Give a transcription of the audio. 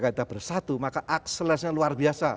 kita bersatu maka akselesanya luar biasa